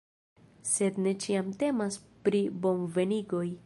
Sed ne ĉiam temas pri bonvenigoj.